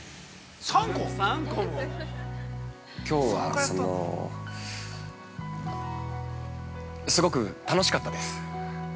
きょうは、そのすごく楽しかったです。